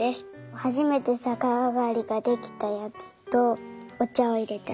はじめてさかあがりができたやつとおちゃをいれたやつ。